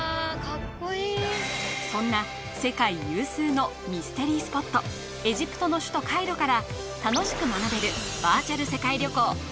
そんな世界有数のミステリースポットエジプトの首都カイロから楽しく学べる！